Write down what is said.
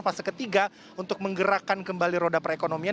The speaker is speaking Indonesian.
fase ketiga untuk menggerakkan kembali roda perekonomian